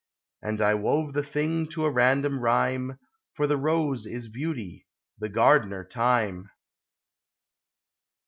And I icove the thing to a random rhyme: For the Rose is Beauty ; the Gardener, Time.